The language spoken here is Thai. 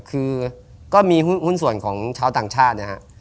คือก็มีหุ้นส่วนของชาวต่างชาตินะฮะ